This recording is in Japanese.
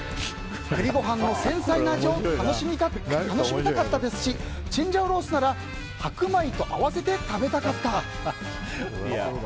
栗ご飯の繊細な味を楽しみたかったですしチンジャオロースなら白米と合わせて食べたかった。